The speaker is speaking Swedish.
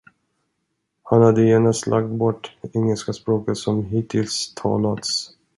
Han hade genast lagt bort engelska språket som hittills talats.